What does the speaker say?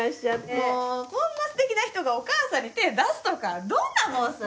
もうこんなすてきな人がお母さんに手出すとかどんな妄想よ。